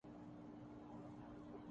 کھانے میں کیا ہے۔